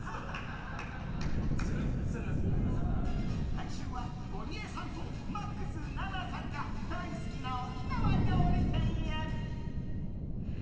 来週はゴリエさんとＭＡＸ・ＮＡＮＡさんが大好きな沖縄料理店へ！